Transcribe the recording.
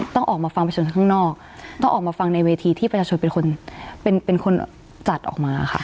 ต้องออกมาฟังประชาชนข้างนอกต้องออกมาฟังในเวทีที่ประชาชนเป็นคนเป็นคนจัดออกมาค่ะ